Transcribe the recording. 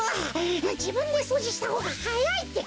じぶんでそうじしたほうがはやいってか！